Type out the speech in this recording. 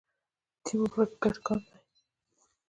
ټیم ورک ګډ کار دی